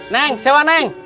neng sewa neng